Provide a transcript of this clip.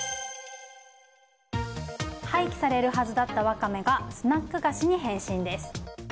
廃棄されるはずだったワカメがスナック菓子に変身です。